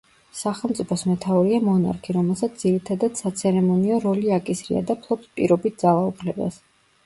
სახელმწიფოს მეთაურია მონარქი, რომელსაც ძირითადად საცერემონიო როლი აკისრია და ფლობს პირობით ძალაუფლებას.